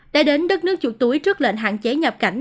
đã đến đất nước chủ túi trước lệnh hạn chế nhập cảnh